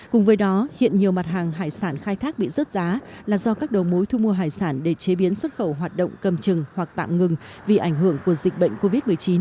cùng với đó hiện nhiều mặt hàng hải sản khai thác bị rớt giá là do các đầu mối thu mua hải sản để chế biến xuất khẩu hoạt động cầm chừng hoặc tạm ngừng vì ảnh hưởng của dịch bệnh covid một mươi chín